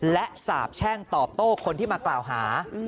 และสาบแช่งตอบโต้คนที่มากล่าวหา